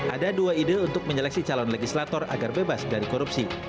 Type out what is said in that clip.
ada dua ide untuk menyeleksi calon legislator agar bebas dari korupsi